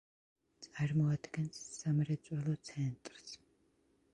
წარმოადგენს სამრეწველო ცენტრს.